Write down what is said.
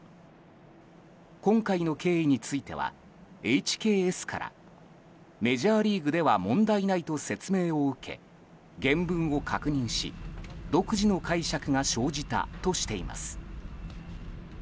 今回の経緯についてはＨＫＳからメジャーリーグでは問題ないと説明を受け原文を確認し、独自の解釈が生じたとしています。